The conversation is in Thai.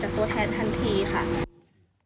เราก็จะตัดสิทธิ์จากตัวแทนทันทีค่ะ